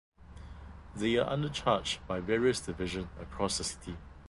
They are under charge by various division across the city.